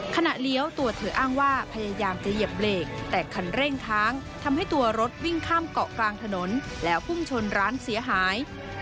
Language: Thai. เลี้ยวตัวเธออ้างว่าพยายามจะเหยียบเบรกแต่คันเร่งค้างทำให้ตัวรถวิ่งข้ามเกาะกลางถนนแล้วพุ่งชนร้านเสียหาย